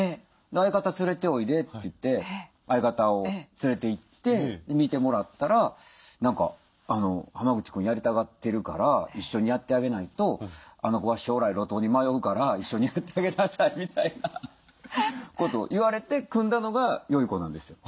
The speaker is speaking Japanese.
「相方連れておいで」って言って相方を連れていって見てもらったら「何か濱口君やりたがってるから一緒にやってあげないとあの子は将来路頭に迷うから一緒にやってあげなさい」みたいなことを言われて組んだのが「よゐこ」なんですよ。